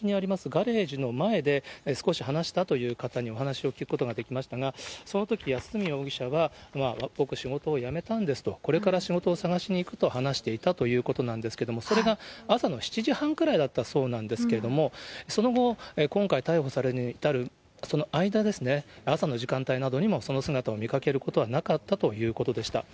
ガレージの前で少し話したという方にお話を聞くことができましたが、そのとき、安栖容疑者は、僕、仕事を辞めたんですと、これから仕事を探しに行くと話していたということなんですけど、それが朝の７時半ぐらいだったそうなんですけれども、その後、今回逮捕されるに至るその間ですね、朝の時間帯などにも、その姿を見かけることはなかったということでした。